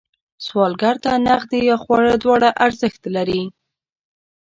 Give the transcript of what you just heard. سوالګر ته نغدې یا خواړه دواړه ارزښت لري